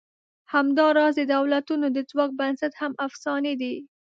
همدا راز د دولتونو د ځواک بنسټ هم افسانې دي.